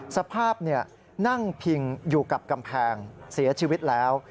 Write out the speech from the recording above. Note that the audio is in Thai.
สภาพนั่งพิงอยู่กับกำแพงเสียชีวิตแล้ว